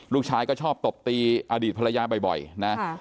ลูกชายก็ชอบตบตีอดีตภรรยาบ่อยนะ